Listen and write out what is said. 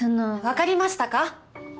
分かりましたか？